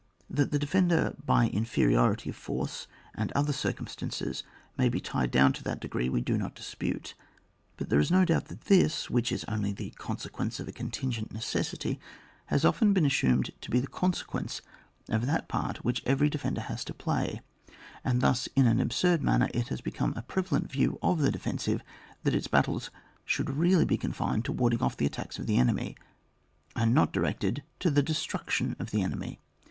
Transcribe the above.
That the defender by inferiority of force and other circumstances may be tied down to that degree we do not dispute, but there is no doubt that this, which is only the consequence of a contingent necessity, has often been assumed to be the con* sequence of that part which every de fender has to play ; and thus in an absurd manner it has become a prevalent view of the defensive that its battles should really be confined to warding off the attacks of the enemy, and not direc ted to the destruction of the enemy.